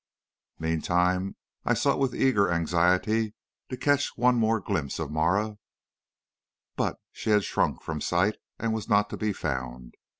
"Meantime I sought with eager anxiety to catch one more glimpse of Marah. But she had shrunk from sight, and was not to be found.